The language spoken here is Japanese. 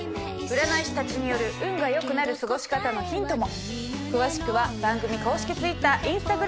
占い師たちによる運が良くなる過ごし方のヒントも。